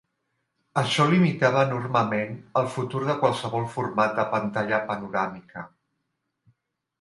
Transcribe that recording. Això limitava enormement el futur de qualsevol format de pantalla panoràmica.